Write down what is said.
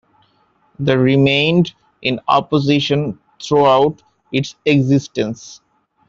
The remained in opposition throughout its existence.